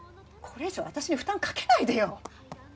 これ以上私に負担かけないでよ